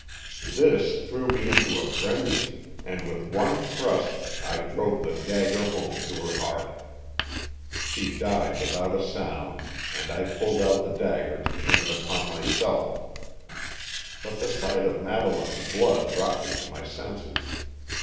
"This threw me into a frenzy, and with one thrust I drove the dagger home to her heart. She died without a sound, and I pulled out the dagger to turn it upon myself. But the sight of Madeleine's blood brought me to my senses.